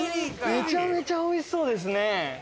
めちゃめちゃ美味しそうですね！